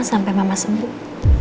sampai mama sembuh